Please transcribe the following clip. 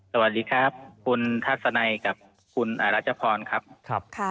สวัสดีครับคุณทักษณัยกับคุณรัชพรครับค่ะ